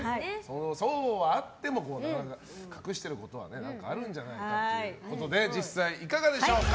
そうはあっても、隠してることは何かあるんじゃないかということで実際いかがでしょうか。